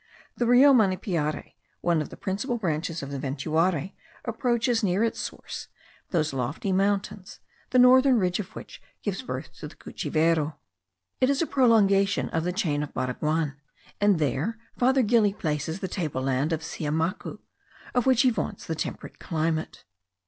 The Rio Manipiare, one of the principal branches of the Ventuari, approaches near its source those lofty mountains, the northern ridge of which gives birth to the Cuchivero. It is a prolongation of the chain of Baraguan; and there Father Gili places the table land of Siamacu, of which he vaunts the temperate climate.